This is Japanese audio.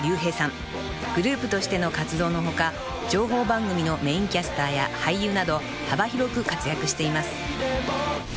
［グループとしての活動の他情報番組のメインキャスターや俳優など幅広く活躍しています］